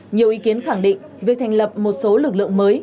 nhiều ý kiến khẳng định việc thành lập một số lực lượng mới